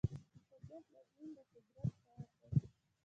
د طبیعت بدلون د قدرت کار دی.